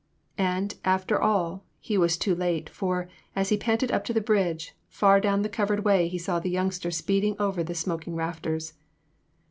And after all he was too late, for, as he panted up to the bridge, far down the covered way he saw the youngster speeding over the smoking rafters.